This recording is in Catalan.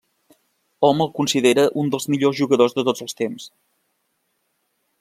Hom el considera un dels millors jugadors de tots els temps.